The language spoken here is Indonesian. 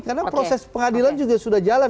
karena proses pengadilan juga sudah jalan